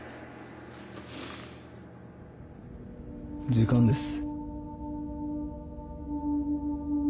時間です。